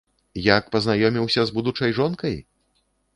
Як пазнаёміўся з будучай жонкай?